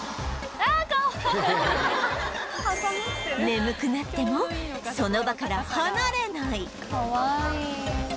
眠くなってもその場から離れない「かわいい」